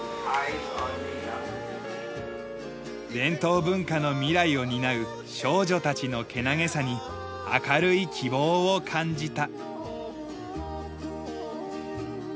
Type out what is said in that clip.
伝統文化の未来を担う少女たちのけなげさに明るい希望を感じた。